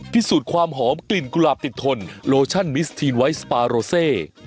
พิสูจน์ความหอมกลิ่นกุหลาบติดทนโลชั่นมิสทีนไวท์สปาโรเซ